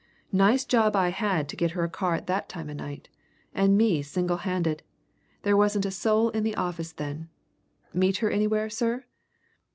Nice job I had to get her a car at that time o' night! and me single handed there wasn't a soul in the office then. Meet her anywhere, sir?"